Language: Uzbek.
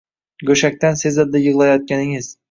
Gushakdan sezildi yiglayotganiz